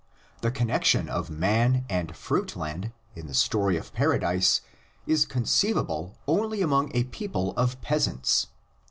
The connexion of man and fruitland (Cp. the Commentary, p. 5) in the story of Paradise is conceivable only among a people of peasants.